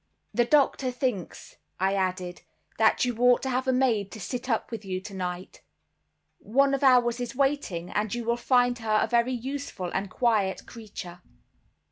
"The doctor thinks," I added, "that you ought to have a maid to sit up with you tonight; one of ours is waiting, and you will find her a very useful and quiet creature."